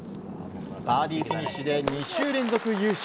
バーディーフィニッシュで２週連続優勝。